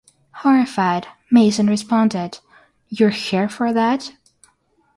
Horrified, Mason responded, You're here for that?